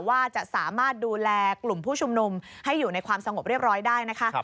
ว่าจะสามารถดูแลกลุ่มผู้ชุมนุมให้อยู่ในความสงบเรียบร้อยได้นะคะ